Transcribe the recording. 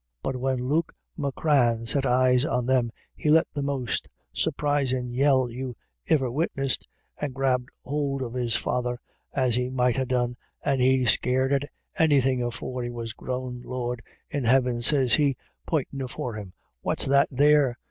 But when Luke Macran set eyes on them, he let the most surprisin' yell you iver witnessed, and grabbed hould of his father, as he might ha' done and he scared at anythin' afore he was grown ' Lord in heaven,' sez he, pointin' afore him, ' what's that there?'